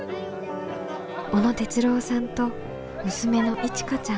小野哲郎さんと娘のいちかちゃん。